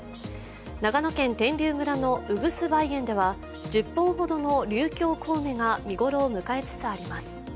長野県天龍村の鶯巣梅園では１０本ほどの竜峡小梅が見頃を迎えつつあります。